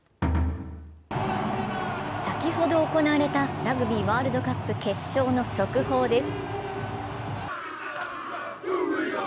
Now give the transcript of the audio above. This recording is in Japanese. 先ほど行われたラグビーワールドカップの決勝の速報です。